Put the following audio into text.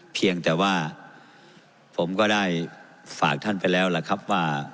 เพียงแต่ว่าผมก็ได้ฝากท่านไปแล้วล่ะครับว่า